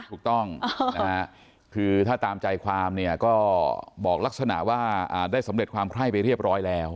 ถูกต้องคือถ้าตามใจความเนี่ยก็บอกลักษณะว่าได้สำเร็จความไคร้ไปเรียบร้อยแล้ว